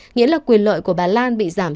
nghĩa là quyền lợi của bà lan bị giảm